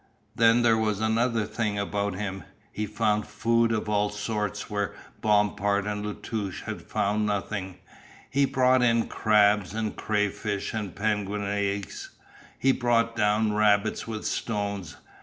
Then there was another thing about him, he found food of all sorts where Bompard and La Touche had found nothing; he brought in crabs and cray fish and penguins eggs, he brought down rabbits with stones.